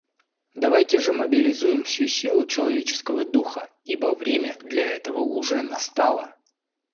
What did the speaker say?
Давайте же мобилизуем всю силу человеческого духа, ибо время для этого уже настало.